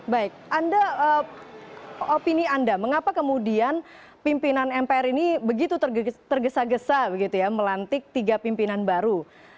baik anda opini anda mengapa kemudian pimpinan mpr ini begitu tergesa gesa begitu ya melantik tiga pimpinan baru